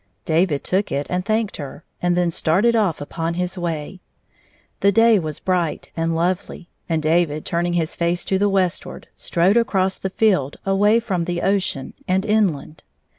David took it and thanked her, and then started off upon his way. The day was bright and lovely, and David, turning his face to the westward, strode across the field away from the ocean and inland.